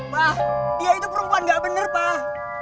pak dia itu perempuan gak bener pak